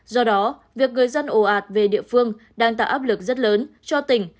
do đó việc người dân ồ ạt về địa phương đang tạo áp lực rất lớn cho tỉnh